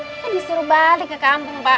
kita disuruh balik ke kampung pak